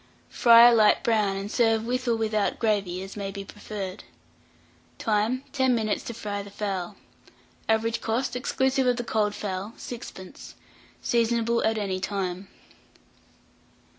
Fry a light brown, and serve with or without gravy, as may be preferred. Time. 10 minutes to fry the fowl. Average cost, exclusive of the cold fowl, 6d. Seasonable at any time.